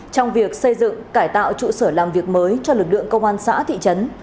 trong việc xây dựng cải tạo trụ sở làm việc mới cho lực lượng công an xã thị trấn